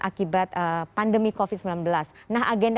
akibat pandemi covid sembilan belas